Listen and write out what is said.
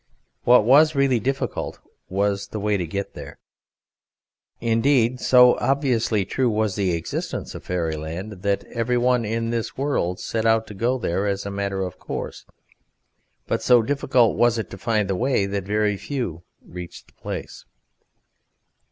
What was really difficult was the way to get there. Indeed, so obviously true was the existence of Fairyland, that every one in this world set out to go there as a matter of course, but so difficult was it to find the way that very few reached the place.